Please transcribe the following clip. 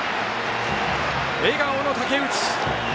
笑顔の竹内！